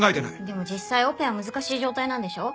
でも実際オペは難しい状態なんでしょ？